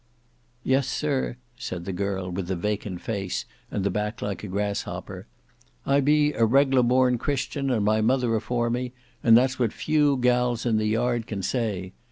"Yes sir," said the girl with the vacant face and the back like a grasshopper; "I be a reg'lar born Christian and my mother afore me, and that's what few gals in the Yard can say.